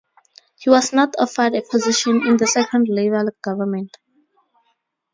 He was not offered a position in the second Labour government.